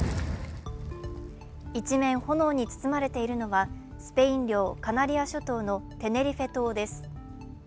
一面炎に包まれているのはスペイン領・カナリア諸島のテネリフェ島です。